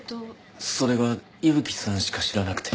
それが伊吹さんしか知らなくて。